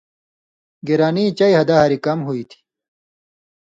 گِرانی چئ حدہ ہاریۡ کم ہُوئ تھی۔